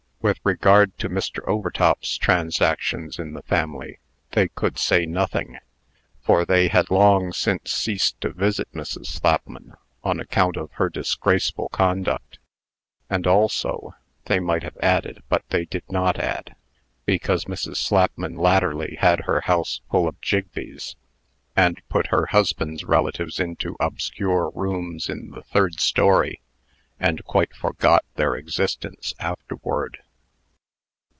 With regard to Mr. Overtop's transactions in the family, they could say nothing; for they had long since ceased to visit Mrs. Slapman, on account of her disgraceful conduct and also (they might have added, but they did not add) because Mrs. Slapman latterly had her house full of Jigbees, and put her husband's relatives into obscure rooms in the third story, and quite forgot their existence afterward.